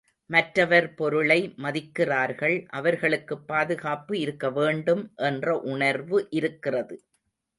மற்றவர் பொருளை மதிக்கிறார்கள் அவர்களுக்குப் பாதுகாப்பு இருக்கவேண்டும் என்ற உணர்வு இருக்கிறது.